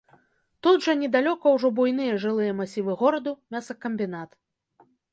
Тут жа недалёка ўжо буйныя жылыя масівы гораду, мясакамбінат.